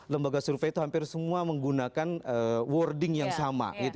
lembaga survei itu hampir semua menggunakan warding yang sama